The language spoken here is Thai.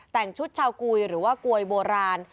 แต่งชุดชาวกุยหรือว่ากลวยโบราณ